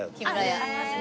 ありますね。